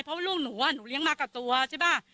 เพราะลูกหนูหนูเลี้ยงมากับตัวใช่ป่ะ